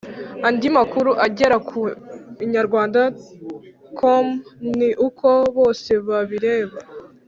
andi makuru agera ku inyarwandacom ni uko bosebabireba